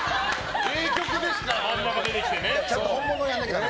名曲ですから。